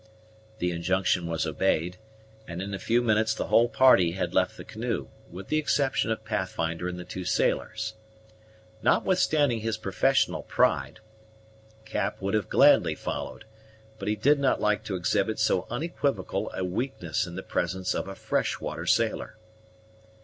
The injunction was obeyed, and in a few minutes the whole party had left the canoe, with the exception of Pathfinder and the two sailors. Notwithstanding his professional pride, Cap would have gladly followed; but he did not like to exhibit so unequivocal a weakness in the presence of a fresh water sailor.